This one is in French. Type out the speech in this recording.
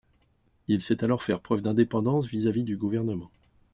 Il sait alors faire preuve d'indépendance vis-à-vis du gouvernement.